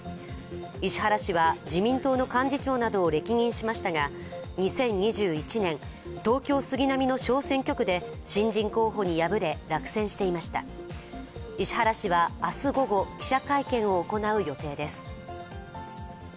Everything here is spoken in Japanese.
石原氏は、自民党の幹事長などを歴任しましたが、２０２１年、東京・杉並の小選挙区で新人候補に敗れ、落選していました石原氏は明日午後、記者会見を行う予定です。